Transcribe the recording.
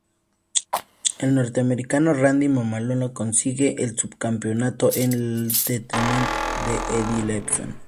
El norteamericano Randy Mamola consigue el subcampeonato en detrimento de Eddie Lawson.